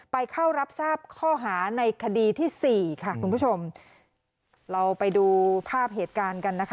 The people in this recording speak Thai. ไปเข้ารับทราบข้อหาในคดีที่สี่ค่ะคุณผู้ชมเราไปดูภาพเหตุการณ์กันนะคะ